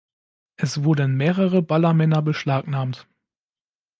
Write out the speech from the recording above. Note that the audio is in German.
Es wurden mehrere Ballermänner beschlagtnahmt.